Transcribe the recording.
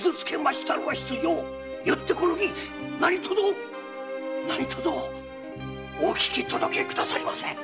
よってこの儀何とぞお聞き届けくださいませ！